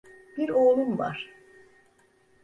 Bir oğlum var.